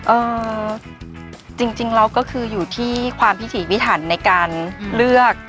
เอ่อจริงแล้วก็คืออยู่ที่ความพิถีพิถันในการเลือก